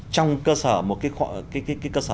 trong cơ sở một cái cơ sở